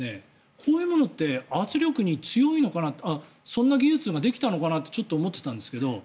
こういうものって圧力に強いのかなってそんな技術ができたのかなってちょっと思っていたんですが。